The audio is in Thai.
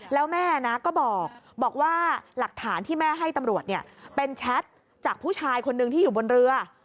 แล้วแม่นะก็บอกว่าหลักฐานที่แม่ให้ตำรวจเป็นแชทจากผู้ชายคนนึงที่อยู่บนเรือ